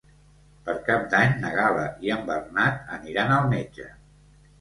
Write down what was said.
Per Cap d'Any na Gal·la i en Bernat aniran al metge.